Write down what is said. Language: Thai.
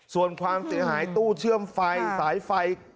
ส่วนความเสียหายตู้เชื่อมไฟสายไฟ